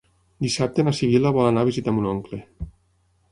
Dissabte na Sibil·la vol anar a visitar mon oncle.